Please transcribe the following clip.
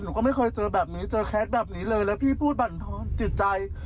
หนูก็ไม่เคยเจอแบบนี้เจอแคสแบบนี้เลยแล้วพี่พูดบรรท้อนจิตใจ